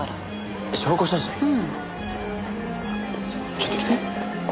ちょっと来て。